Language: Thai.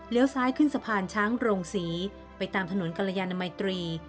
ซ้ายขึ้นสะพานช้างโรงศรีไปตามถนนกรยานมัยตรี